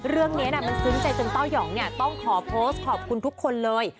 เรื่องนี้มันซึ้งใจจนเต้ายองต้องขอโพสต์ขอบคุณทุกคนเลย